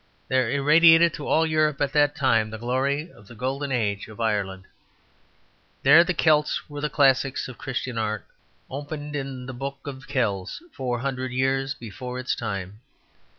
There irradiated to all Europe at that time the glory of the golden age of Ireland. There the Celts were the classics of Christian art, opened in the Book of Kels four hundred years before its time.